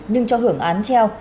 nhưng cho hưởng án treo